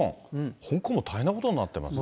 香港も大変なことになってますね。